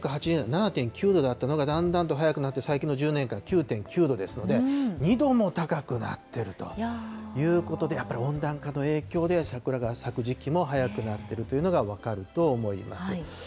１９８０年、７．９度だったのが、だんだんと早くなって、最近の１０年間、９．９度ですので、２度も高くなってると、やっぱり温暖化の影響で、桜が咲く時期も早くなっているというのが分かると思います。